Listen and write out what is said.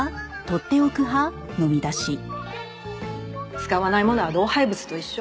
使わない物は老廃物と一緒。